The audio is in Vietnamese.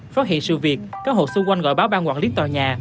phát hiện sự việc các hộ xung quanh gọi báo ban quản lý tòa nhà